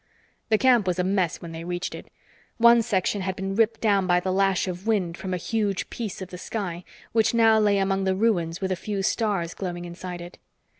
The camp was a mess when they reached it. One section had been ripped down by the lash of wind from a huge piece of the sky, which now lay among the ruins with a few stars glowing inside it.